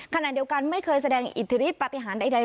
ขณะเดียวกันไม่เคยแสดงอิทธิฤทธปฏิหารใด